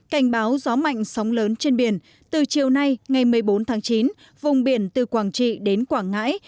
cảnh báo gió mạnh sóng lớn trên biển từ chiều nay ngày một mươi bốn tháng chín vùng biển từ quảng trị đến quảng ngãi